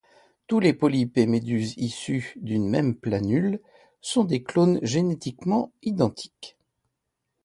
Tous les polypes et méduses issues d'une même planule sont des clones génétiquement identiques.